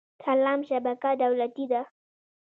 سلام شبکه دولتي ده